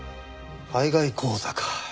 海外口座か。